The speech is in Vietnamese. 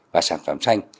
và sản phẩm xanh